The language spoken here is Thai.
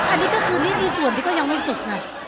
อันนี้ก็คือนี่มีส่วนที่เขายังไม่สุกไง